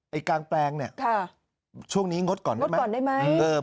กลางแปลงเนี่ยช่วงนี้งดก่อนได้ไหมงดก่อนได้ไหม